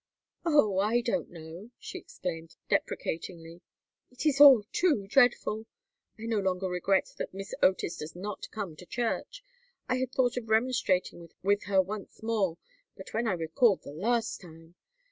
"Oh, I don't know!" she exclaimed, deprecatingly. "It is all too dreadful! I no longer regret that Miss Otis does not come to church. I had thought of remonstrating with her once more but when I recalled the last time!